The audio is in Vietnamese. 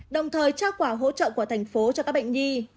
đồng thời trao quả hỗ trợ của thành phố cho các bệnh nhi